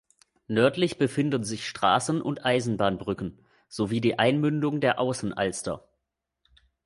Nördlich befinden sich Straßen- und Eisenbahnbrücken, sowie die Einmündung der Außenalster.